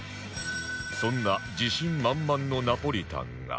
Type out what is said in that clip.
そんな自信満々のナポリタンが